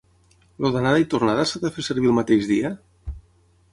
El d'anada i tornada s'ha de fer servir el mateix dia?